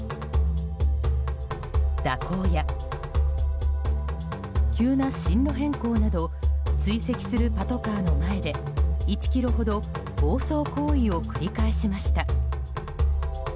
蛇行や急な進路変更など追跡するパトカーの前で１ｋｍほど暴走行為を繰り返しました。